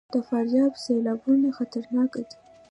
د فاریاب سیلابونه خطرناک دي